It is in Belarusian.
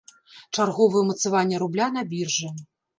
Чарговае ўмацаванне рубля на біржы.